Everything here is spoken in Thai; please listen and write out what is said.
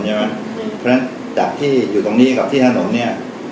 เพราะฉะนั้นจากที่อยู่ตรงนี้กับที่ถนนเนี่ย